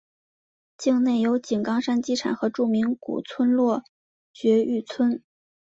境内有井冈山机场和著名古村落爵誉村。